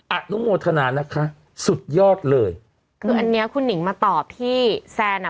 อนุโมทนานะคะสุดยอดเลยคืออันเนี้ยคุณหนิงมาตอบที่แซนอ่ะ